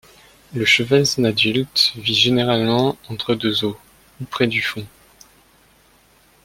Le chevesne adulte vit généralement entre deux eaux ou près du fond.